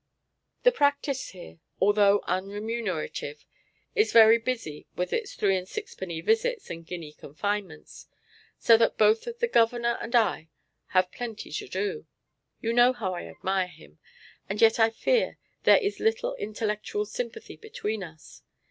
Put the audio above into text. The practice here, although unremunerative, is very busy with its three and sixpenny visits and guinea confinements, so that both the governor and I have had plenty to do. You know how I admire him, and yet I fear there is little intellectual sympathy between us.